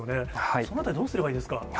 そのあたり、どうすればいいですか？